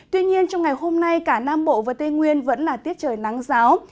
tuy nhiên trong ngày hôm nay cả nam bộ và tây nguyên vẫn là tiết trời nắng giáo